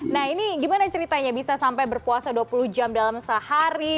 nah ini gimana ceritanya bisa sampai berpuasa dua puluh jam dalam sehari